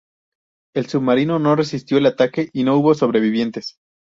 El submarino no resistió el ataque y no hubo sobrevivientes.